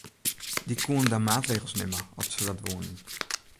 Dy koenen dan maatregels nimme at se dat woenen.